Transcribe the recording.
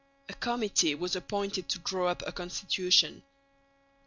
A committee was appointed to draw up a constitution.